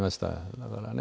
だからね。